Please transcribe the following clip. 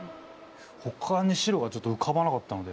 ほかに白がちょっと浮かばなかったので。